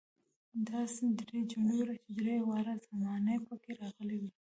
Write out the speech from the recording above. داسې درې جملې ولیکئ چې درې واړه زمانې پکې راغلي وي.